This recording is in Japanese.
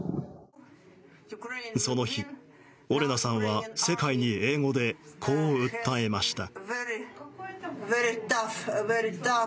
その日、オレナさんは世界に英語で、こう訴えました。